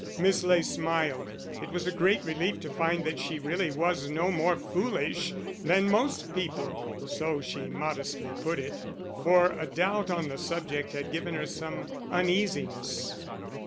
Miss Ley smiled; it was a great relief to find that she really was no more foolish than most people (so she modestly put it), for a doubt on the subject had given her some uneasiness.